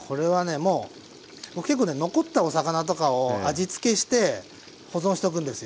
もう僕結構ね残ったお魚とかを味つけして保存しとくんですよ。